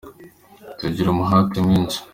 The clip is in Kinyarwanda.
tugira umuhate mwinshi.